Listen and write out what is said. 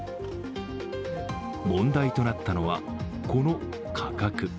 問題となったのは、この価格。